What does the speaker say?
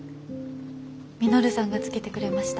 稔さんが付けてくれました。